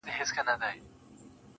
o ټوله شپه خوبونه وي.